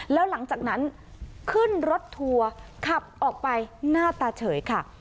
แล้วหลังจากนั้นขึ้นรถทัวร์ขับออกไปหน้าตาเฉยค่ะ